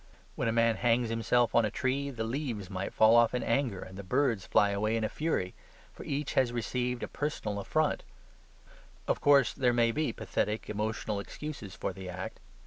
When a man hangs himself on a tree, the leaves might fall off in anger and the birds fly away in fury: for each has received a personal affront. Of course there may be pathetic emotional excuses for the act.